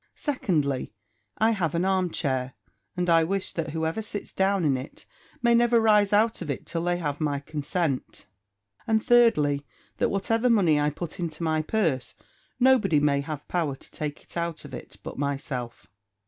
"Secondly I have an arm chair, and I wish that whoever sits down in it may never rise out of it till they have my consent." "And, thirdly that whatever money I put into my purse, nobody may have power to take it out of it but myself!"